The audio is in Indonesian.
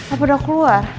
apa udah keluar